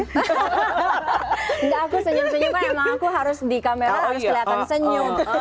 tidak aku senyum senyum kan emang aku harus di kamera harus kelihatan senyum